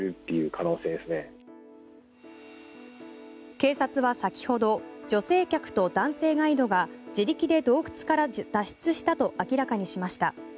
警察は先ほど女性客と男性ガイドが自力で洞窟から脱出したと明らかにしました。